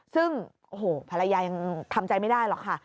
ซึ่งโอ้โหภรรยายังทำใจไม่ได้หรอกค่ะ